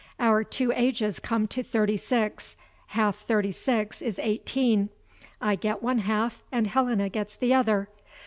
Our two ages come to thirty six. Half thirty six is eighteen. I get one half, and Helena gets the other.